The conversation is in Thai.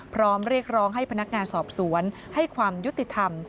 พร้อมเรียกร้องให้พนักงานสอบสวนให้ความยุติธรรม